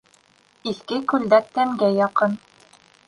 Иҫке күлдәк тәнгә яҡын